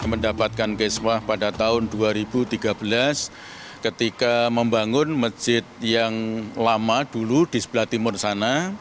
kami mendapatkan kiswah pada tahun dua ribu tiga belas ketika membangun masjid yang lama dulu di sebelah timur sana